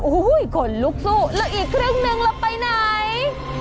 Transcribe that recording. โอ้โหคนลุกสู้แล้วอีกครึ่งนึงเราไปไหน